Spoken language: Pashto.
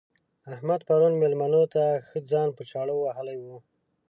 احمد پرون مېلمنو ته ښه ځان په چاړه وهلی وو.